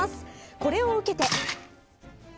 これを受けて。